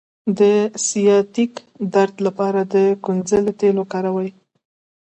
د سیاتیک درد لپاره د کونځلې تېل وکاروئ